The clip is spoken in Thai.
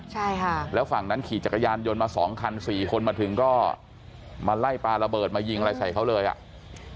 ใช่ค่ะแล้วฝั่งนั้นขี่จักรยานยนต์มาสองคันสี่คนมาถึงก็มาไล่ปลาระเบิดมายิงอะไรใส่เขาเลยอ่ะ